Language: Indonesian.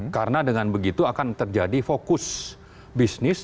karena dengan begitu akan terjadi fokus bisnis